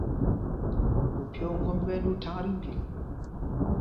Opyē o ŋgómb ɓɛ́ ɛ́ ɗū thaŋ tí mbil.